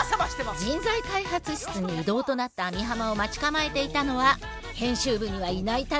人材開発室に異動となった網浜を待ち構えていたのは編集部にはいないタイプの人たち。